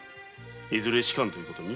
いずれ仕官という事に？